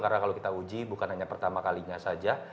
karena kalau kita uji bukan hanya pertama kalinya saja